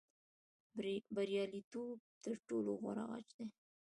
بریالیتوب تر ټولو غوره غچ دی.